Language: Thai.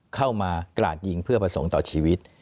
เข้ามากราดยิงเพื่อประสงค์ต่อชีวิต